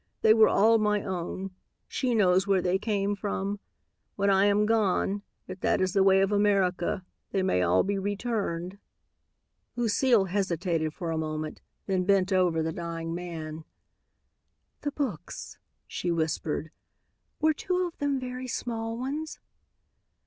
They were all my own. She knows where they came from. When I am gone, if that is the way of America, they may all be returned." Lucile hesitated for a moment, then bent over the dying man. "The books," she whispered. "Were two of them very small ones?"